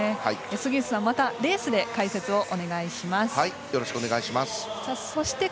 杉内さん、またレースで解説をお願いします。